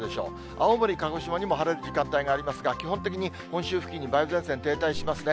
青森、鹿児島にも晴れる時間帯がありますが、基本的に本州付近に梅雨前線、停滞しますね。